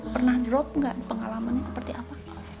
pernah drop gak pengalaman seperti apa